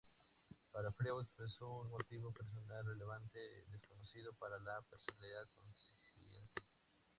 Para Freud, expresa un motivo personal relevante, desconocido para la personalidad consciente.